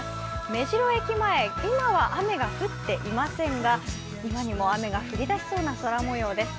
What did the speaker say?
目白駅前、今は雨が降っていませんが今にも雨が降り出しそうな空もようです。